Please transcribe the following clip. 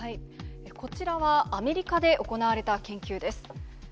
こちらは、アメリカで行われた研究です。